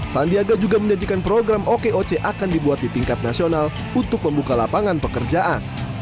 sandiaga juga menjanjikan program okoc akan dibuat di tingkat nasional untuk membuka lapangan pekerjaan